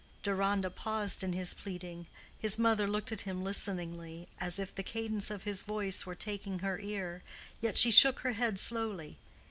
Deronda paused in his pleading: his mother looked at him listeningly, as if the cadence of his voice were taking her ear, yet she shook her head slowly.